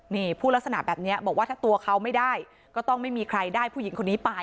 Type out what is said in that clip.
นี่พูดลักษณะแบบนี้บอกว่าถ้าตัวเขาไม่ได้ก็ต้องไม่มีใครได้ผู้หญิงคนนี้ไป